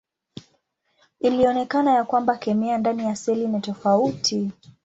Ilionekana ya kwamba kemia ndani ya seli ni tofauti.